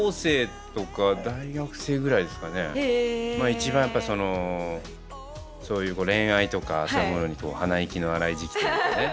一番やっぱそのそういう恋愛とかそういうものに鼻息の荒い時期。